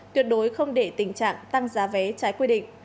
tuyệt đối không để tình trạng tăng giá vé trái quy định